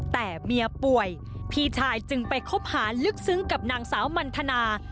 แต่เมียป่วยพี่ชายจึงไปคบหาลึกซึ้งกับนางสาวมันทนา